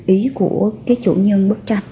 ý của cái chủ nhân bức tranh